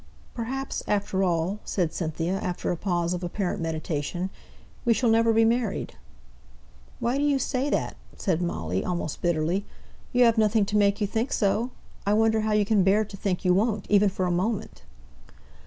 "Perhaps, after all," said Cynthia, after a pause of apparent meditation, "we shall never be married." "Why do you say that?" said Molly, almost bitterly. "You have nothing to make you think so. I wonder how you can bear to think you won't, even for a moment."